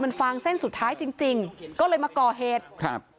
มันฟางเส้นสุดท้ายจริงจริงก็เลยมาก่อเหตุครับ